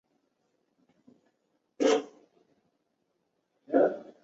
射辐射对入射辐射的它将包括弥漫性和镜面反射辐射反映。